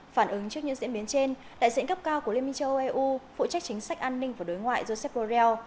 phản ứng trước những diễn biến trên đại diện cấp cao của liên minh châu âu eu phụ trách chính sách an ninh và đối ngoại joseph borrell